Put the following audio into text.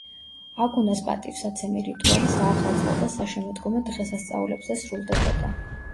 აგუნას პატივსაცემი რიტუალი საახალწლო და საშემოდგომო დღესასწაულებზე სრულდებოდა.